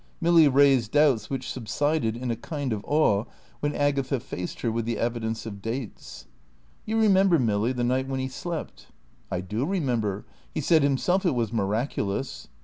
Milly raised doubts which subsided in a kind of awe when Agatha faced her with the evidence of dates. "You remember, Milly, the night when he slept." "I do remember. He said himself it was miraculous."